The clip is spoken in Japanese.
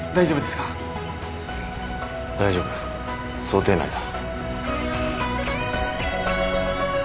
大丈夫想定内だ。